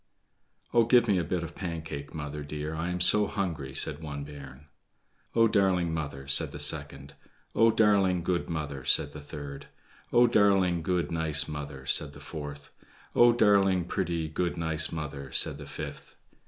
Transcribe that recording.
"Oh, give me a bit of Pancake, mother, dear; I am so hungry," said one bairn. "Oh, darling mother," said the second. "Oh, darling, good mother," said the third. "Oh, darling, good, nice mother," said the fourth. "Oh, darling, pretty, good, nice mother," said the fifth.